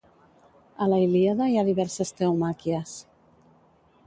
A la Il·líada hi ha diverses teomàquies.